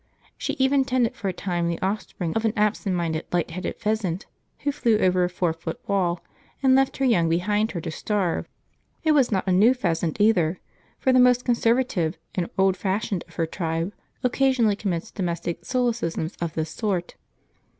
She even tended for a time the offspring of an absent minded, light headed pheasant who flew over a four foot wall and left her young behind her to starve; it was not a New Pheasant, either; for the most conservative and old fashioned of her tribe occasionally commits domestic solecisms of this sort.